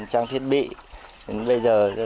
do đó cải thiện được kinh tế gia đình